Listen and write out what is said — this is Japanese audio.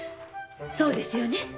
そうですよね？